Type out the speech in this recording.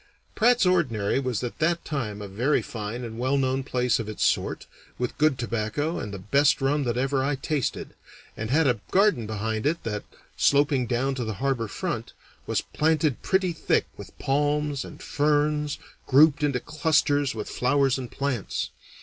Pratt's Ordinary was at that time a very fine and well known place of its sort, with good tobacco and the best rum that ever I tasted, and had a garden behind it that, sloping down to the harbor front, was planted pretty thick with palms and ferns grouped into clusters with flowers and plants.